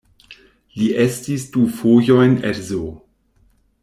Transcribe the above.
Li estis du fojojn edzo.